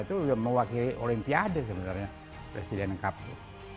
itu sudah mewakili olimpiade sebenarnya presiden kap itu